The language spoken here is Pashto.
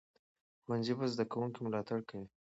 ښوونځی به د زده کوونکو ملاتړ کوي.